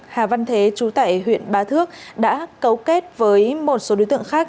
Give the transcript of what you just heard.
hà văn thế chú tải huyện ba thước đã cấu kết với một số đối tượng khác